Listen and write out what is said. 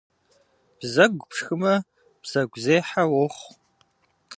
Бзэгу пшхымэ бзэгузехьэ уохъу.